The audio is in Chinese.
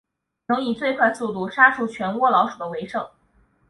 能以最快速度杀除全窝老鼠的为胜。